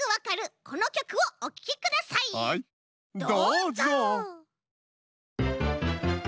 どうぞ！